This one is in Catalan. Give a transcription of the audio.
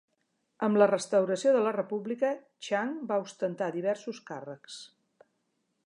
Amb la restauració de la República, Chang va ostentar diversos càrrecs.